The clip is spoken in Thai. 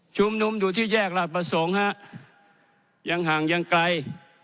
ชุมนุมอยู่ที่แยกราชประสงค์ฮะยังห่างยังไกล